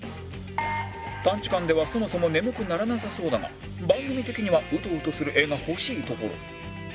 短時間ではそもそも眠くならなさそうだが番組的にはウトウトする画が欲しいところ